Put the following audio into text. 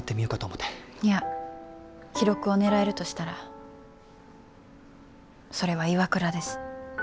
いや記録を狙えるとしたらそれは岩倉です。